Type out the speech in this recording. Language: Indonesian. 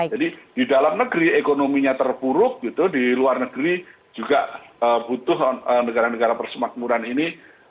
jadi di dalam negeri ekonominya terpuruk gitu di luar negeri juga butuh negara negara persemakmuran ini